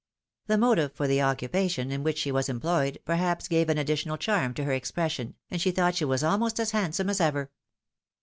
The motive for the occupation in which she was employe^, perhaps gave an additional charm to her expression, and she thought die was almost as handsome as ever.